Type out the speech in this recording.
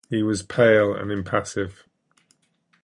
He was pale and impassive.